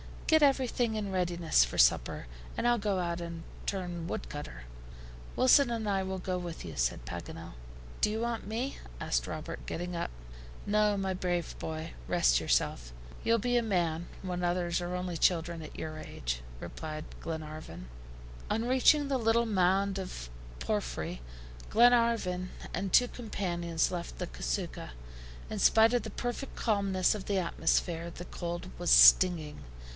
"Get everything in readiness for supper, and I'll go out and turn woodcutter." "Wilson and I will go with you," said Paganel. "Do you want me?" asked Robert, getting up. "No, my brave boy, rest yourself. You'll be a man, when others are only children at your age," replied Glenarvan. On reaching the little mound of porphyry, Glenarvan and his two companions left the CASUCHA. In spite of the perfect calmness of the atmosphere, the cold was stinging.